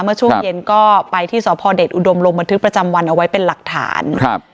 เมื่อช่วงเย็นก็ไปที่สพเดชอุดมลงบันทึกประจำวันเอาไว้เป็นหลักฐานครับ